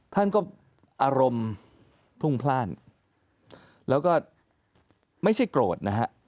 ท่านก็อารมณ์พุ่งพลาดแล้วก็ไม่ใช่โกรธนะฮะ